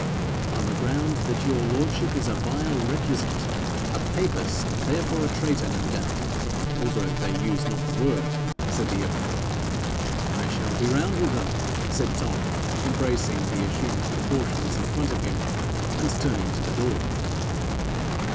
'On the ground that your lordship is a vile recusant a papist, and therefore a traitor, no doubt, although they use not the word,' said the earl. 'I shall be round with them,' said Tom, embracing the assumed proportions in front of him, and turning to the door.